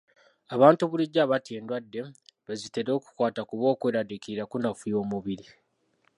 Abantu bulijjo abatya endwadde, be zitera okukwata kuba okweraliikirira kunafuya omubiri.